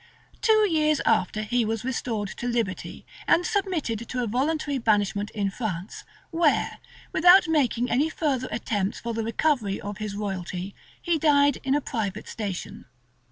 Two years after he was restored to liberty, and submitted to a voluntary banishment in France; where, without making any further attempts for the recovery of his royalty, he died in a private station.